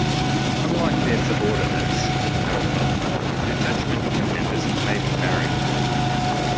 Unlike their subordinates, however, Detachment Commanders may be married.